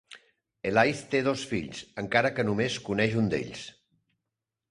Elaith té dos fills, encara que només coneix un d'ells.